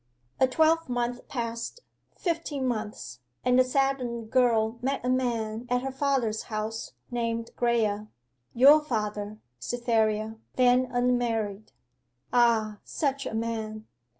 'A twelvemonth passed fifteen months and the saddened girl met a man at her father's house named Graye your father, Cytherea, then unmarried. Ah, such a man!